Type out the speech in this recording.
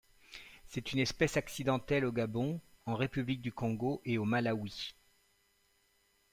C'est une espèce accidentelle au Gabon, en République du Congo et au Malawi.